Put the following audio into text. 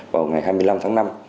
vào ngày hai mươi năm tháng năm